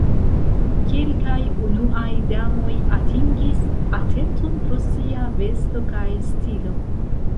Kelkaj unuaj damoj atingis atenton pro sia vesto kaj stilo.